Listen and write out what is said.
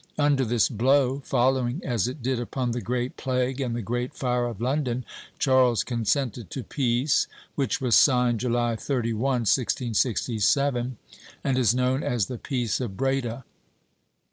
Under this blow, following as it did upon the great plague and the great fire of London, Charles consented to peace, which was signed July 31, 1667, and is known as the Peace of Breda.